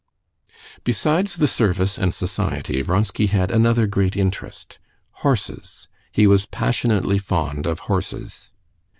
Besides the service and society, Vronsky had another great interest—horses; he was passionately fond of horses.